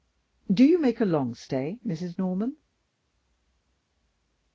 Do you make a long stay, Mrs. Norman?"